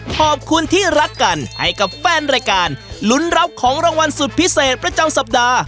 ขอบคุณที่รักกันให้กับแฟนรายการลุ้นรับของรางวัลสุดพิเศษประจำสัปดาห์